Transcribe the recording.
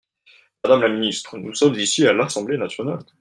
Madame la ministre, nous sommes ici à l’Assemblée nationale.